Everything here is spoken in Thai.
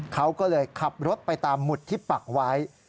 เขาก็เลยขับรถไปตามหมุดที่ปักไว้